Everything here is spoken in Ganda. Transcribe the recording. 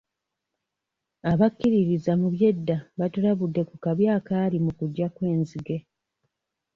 Abakkiririza mu by'edda batulabudde ku kabi akaali mu kujja kw'enzige.